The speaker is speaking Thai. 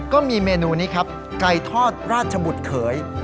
ก็มีเมนูนี้ครับไก่ทอดราชบุตรเขย